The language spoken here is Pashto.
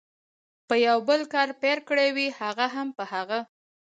په یو بل کار پیل کړي وي، هغه هم په هغه.